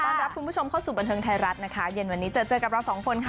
รับคุณผู้ชมเข้าสู่บันเทิงไทยรัฐนะคะเย็นวันนี้เจอเจอกับเราสองคนค่ะ